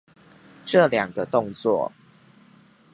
這兩個動作